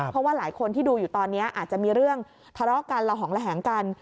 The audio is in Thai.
เพราะว่าหลายคนที่ดูอยู่ตอนนี้อาจจะมีเรื่องทะเลาะกันละหองระแหงกัน